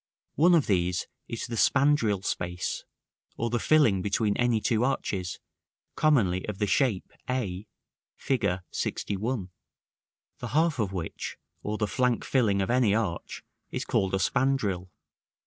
One of these is the spandril space, or the filling between any two arches, commonly of the shape a, Fig. LXI.; the half of which, or the flank filling of any arch, is called a spandril.